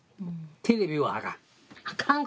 テレビはあかん。